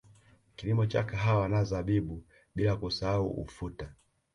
Kilimo cha kahawa na zabibu bila kusahau ufuta